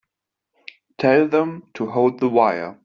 Tell them to hold the wire.